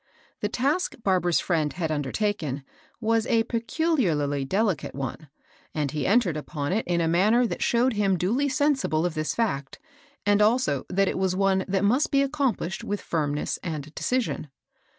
The task Bar bara's friend had undertaken was a peculiarly delicate one, and he entered upon it in a man ner that showed him duly sensible of this fact^ and also that it was one that must be accom plished with firmness and decision.